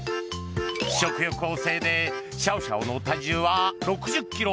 食欲旺盛でシャオシャオの体重は６０ｋｇ。